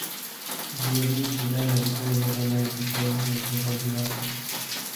Zinedine Zidane alikuwa nyota anayetisha enzi za uchezaji wake